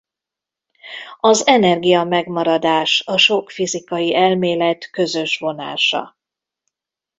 Az energiamegmaradás a sok fizikai elmélet közös vonása.